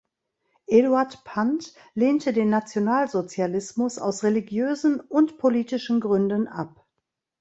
Eduard Pant lehnte den Nationalsozialismus aus religiösen und politischen Gründen ab.